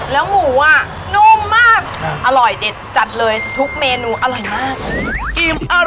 แล้วหมูอ่ะนุ่มมากอร่อยเด็ดจัดเลยทุกเมนูอร่อยมาก